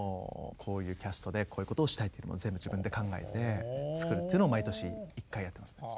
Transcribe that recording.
こういうキャストでこういうことをしたいというのを全部自分で考えて作るというのを毎年１回やってますね。